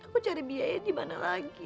aku cari biaya di mana lagi